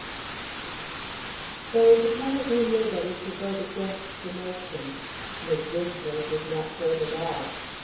There was apparently nobody to vote against the motion. Mis' Winslow did not vote at all.